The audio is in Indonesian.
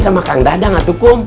sama kang dadang atau kum